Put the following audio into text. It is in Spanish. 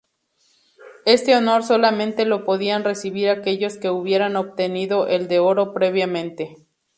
Este honor solamente lo podían recibir aquellos que hubieran obtenido el de Oro previamente.